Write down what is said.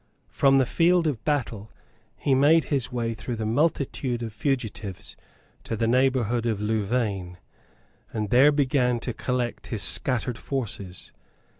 From the field of battle he made his way through the multitude of fugitives to the neighbourhood of Louvain, and there began to collect his scattered forces.